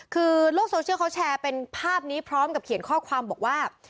คือโลกโซเชียลเขาแชร์เป็นภาพนี้พร้อมกับเขียนข้อความบอกว่า